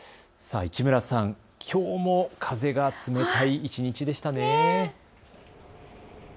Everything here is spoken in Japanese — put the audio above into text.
市村さん、きょうも風が冷たい一日でしたね。